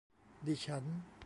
ดิฉัน